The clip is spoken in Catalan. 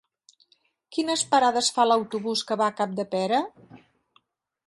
Quines parades fa l'autobús que va a Capdepera?